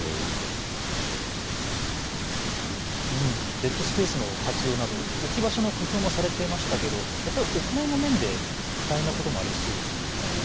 デッドスペースの活用など置き場所の工夫もされていましたけどお金の面で大変なこともありそうですよね。